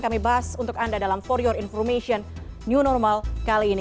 kami bahas untuk anda dalam for your information new normal kali ini